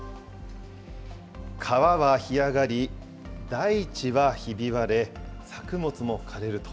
川は干上がり、大地はひび割れ、作物も枯れると。